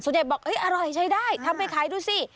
เด็กบอกอร่อยใช้ได้ทำไปขายดูสิ